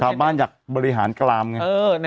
ชาวบ้านอยากบริหารกลามไง